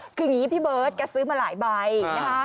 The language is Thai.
คืออย่างนี้พี่เบิร์ตแกซื้อมาหลายใบนะคะ